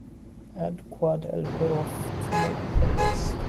add qad el horoof to night playlist